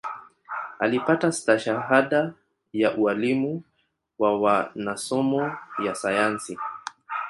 Alipata stashahada ya ualimu wa wa nasomo ya sayansi